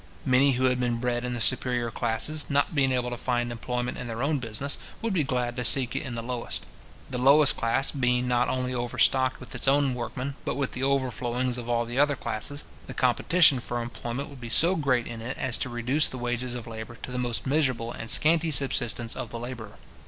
Many who had been bred in the superior classes, not being able to find employment in their own business, would be glad to seek it in the lowest. The lowest class being not only overstocked with its own workmen, but with the overflowings of all the other classes, the competition for employment would be so great in it, as to reduce the wages of labour to the most miserable and scanty subsistence of the labourer.